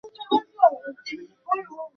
তার লর্ডগিরির কী খবর?